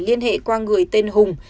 liên hệ qua người tên hùng